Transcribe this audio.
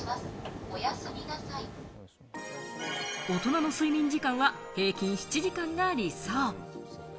大人の睡眠時間は平均７時間が理想。